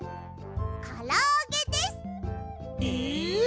からあげです！え！？